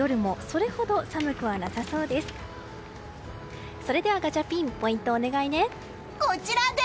それではガチャピンポイント、お願いね！